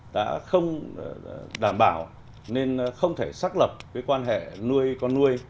đã không đảm bảo nên không thể xác lập quan hệ nuôi con nuôi